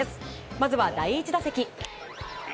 まずは第１打席。